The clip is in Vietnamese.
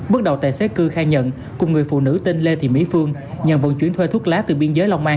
bước đầu tài xế cư khai nhận cùng người phụ nữ tên lê thị mỹ phương nhận vận chuyển thuê thuốc lá từ biên giới long an